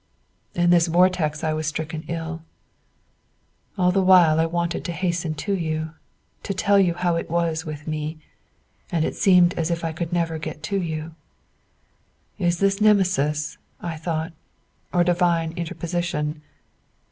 In this vortex I was stricken ill. All the while I wanted to hasten to you, to tell you how it was with me, and it seemed as if I never could get to you. 'Is this Nemesis,' I thought, 'or divine interposition?